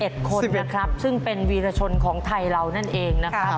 คนนะครับซึ่งเป็นวีรชนของไทยเรานั่นเองนะครับ